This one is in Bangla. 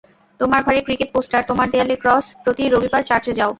তোমার ঘরে ক্রিকেট পোস্টার, তোমার দেয়ালে ক্রস, প্রতি রবিবার চার্চে যাও।